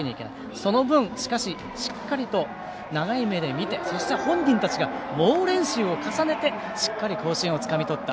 その分、しかししっかりと長い目で見てそして本人たちが猛練習を重ねてしっかり甲子園をつかみ取った。